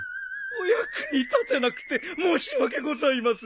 お役に立てなくて申し訳ございません。